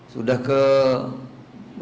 sudah ke kuala lumpur